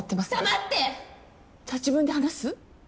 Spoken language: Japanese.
黙って！じゃ自分で話す？